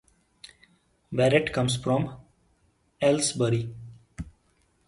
Barrett comes from Aylesbury.